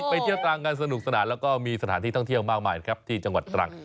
ไปเที่ยวตรังกันสนุกสนานแล้วก็มีสถานที่ท่องเที่ยวมากมายนะครับที่จังหวัดตรัง